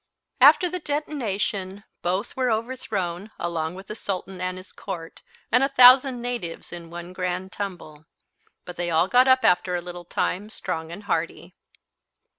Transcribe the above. After the detonation both were overthrown along with the Sultan arid his court, and a thousand natives in one grand tumble, but they all got up after a little time strong and hearty.